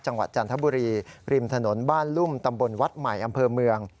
จันทบุรีริมถนนบ้านลุ่มตำบลวัดใหม่อำเภอเมือง